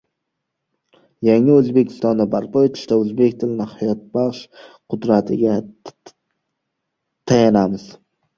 Yangi O‘zbekistonni barpo etishda o‘zbek tilining hayotbaxsh qudratiga tayanamiz